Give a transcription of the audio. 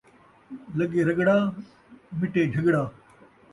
لڳے رڳڑا ، مٹے جھڳڑا